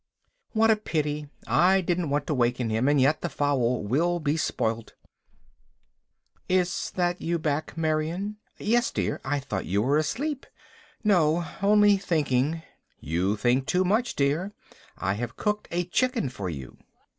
"What a pity! I don't want to waken him, and yet the fowl will be spoilt." "Is that you back, Marion?" "Yes, dear; I thought you were asleep." "No, only thinking." "You think too much, dear. I have cooked a chicken for you."